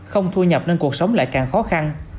không thu nhập nên cuộc sống lại càng khó khăn